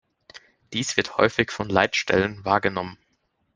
Dies wird häufig von Leitstellen wahrgenommen.